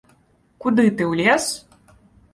Куды ты, у лес?